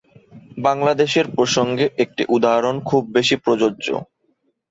বাংলাদেশের প্রসঙ্গে একটি উদাহরণ খুব বেশি প্রযোজ্য।